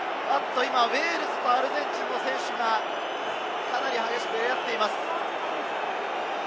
ウェールズとアルゼンチンの選手がかなり激しく絡んでいます。